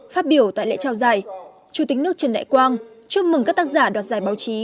phát biểu tại lễ trao giải chủ tịch nước trần đại quang chúc mừng các tác giả đoạt giải báo chí